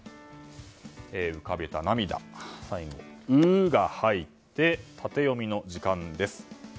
浮かべた涙、最後は「ウ」入ってタテヨミの時間です。